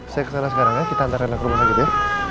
saya kesana sekarang ya kita antar reina ke rumah sakit ya